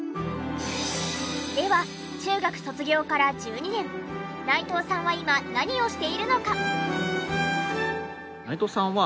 では中学卒業から１２年内藤さんは今何をしているのか？